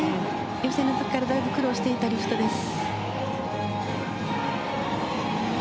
予選の時からだいぶ苦労していたリフトです。